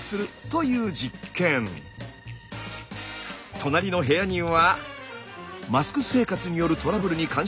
隣の部屋にはマスク生活によるトラブルに関心のある